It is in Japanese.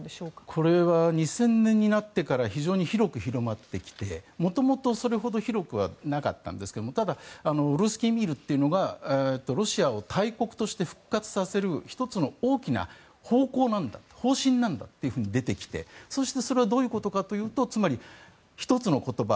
これは２０００年になってから非常に広く広まってきて元々それほど広くはなかったんですがただルースキー・ミールというのがロシアを大国として復活させる１つの大きな方向なんだ方針なんだと出てきてそして、それはどういうことかというとつまり、１つの言葉